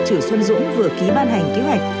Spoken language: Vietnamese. chữ xuân dũng vừa ký ban hành kế hoạch